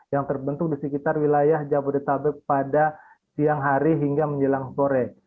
yang terbentuk di sekitar wilayah jabodetabek pada siang hari hingga menjelang sore